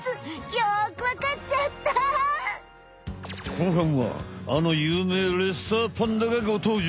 後半はあの有名レッサーパンダがご登場！